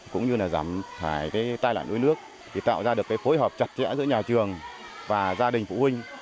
cũng như là giảm hại tai lạc nuôi nước tạo ra được phối hợp chặt chẽ giữa nhà trường và gia đình phụ huynh